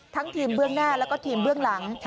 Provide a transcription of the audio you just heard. ทั้งทีมเบื้องหน้าแล้วก็ทีมเบื้องหลัง